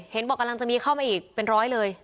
บอกกำลังจะมีเข้ามาอีกเป็นร้อยเลย